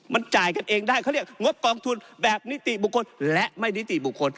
มันจ่ายกันเองได้เขาเรียกงบกองทุนแบบนิติบุคคลและไม่นิติบุคคล